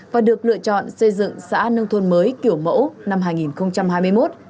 và được lựa chọn xây dựng xã nông thôn mới kiểu mẫu năm hai nghìn hai mươi một